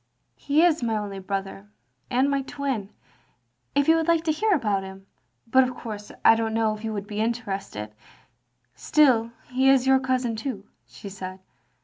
" He is my only brother, and my twin. If you would like to hear about him — ^but of course I don't know if you would be interested — ^still, he is your cousin too," she said.